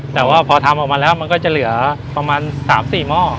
แต่ว่าพอทำออกมาแล้วมันก็จะเหลือประมาณ๓๔หม้อ